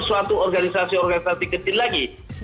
suatu organisasi organisasi kecil lagi